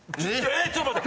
えっ⁉ちょっと待って！